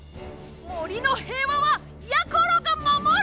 もりのへいわはやころがまもる！